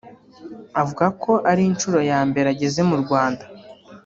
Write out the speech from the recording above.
Avuga ko ari nshuro ya mbere ageze mu Rwanda